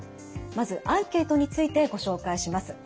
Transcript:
まずアンケートについてご紹介します。